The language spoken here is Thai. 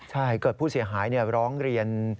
ใช่เกิดผู้เสียหายร้องเรียน